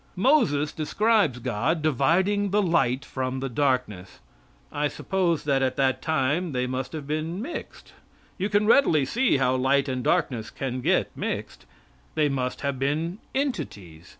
Moses describes God dividing the light from the darkness. I suppose that at that time they must have been mixed. You can readily see how light and darkness can get mixed. They must have been entities.